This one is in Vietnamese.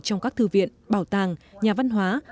trong các thư viện bảo tàng nhà văn hóa